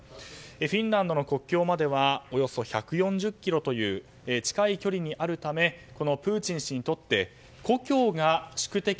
フィンランドの国境まではおよそ１４０ｋｍという近い距離にあるためプーチン氏にとって故郷が宿敵